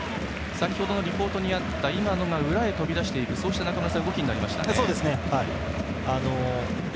先ほどのリポートにあった裏に飛び出していくそうした動きになりましたね。